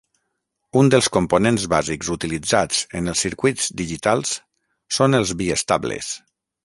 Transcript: Un dels components bàsics utilitzats en els circuits digitals són els biestables.